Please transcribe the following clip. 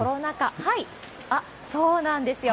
はい、そうなんですよ。